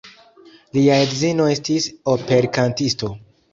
Lia edzino estis operkantisto.